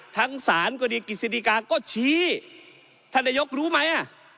ทั้งสารก็ดีกิจสินิกาก็ชี้ท่านนโยครู้ไหมอ่ะ